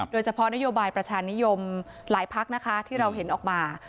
โดยเฉพาะนโยบายประชานิยมหลายพักนะคะที่เราเห็นออกมา